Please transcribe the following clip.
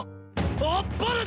あっぱれだ！